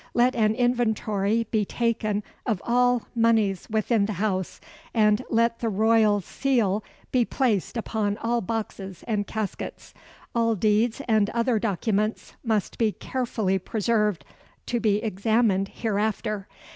Let an inventory be taken of all monies within the house, and let the royal seal be placed upon all boxes and caskets. All deeds and other documents must be carefully preserved to be examined hereafter.